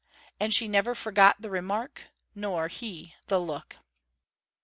And she never forgot the remark, nor he the look.